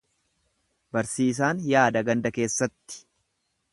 Barsiisaan yaada ganda keessatti.